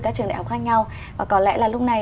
các trường đại học khác nhau và có lẽ là lúc này